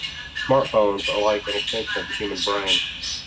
Smartphones are like an extension of the human brain.